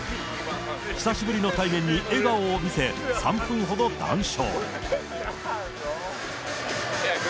久しぶりの対面に笑顔を見せ、３分ほど談笑。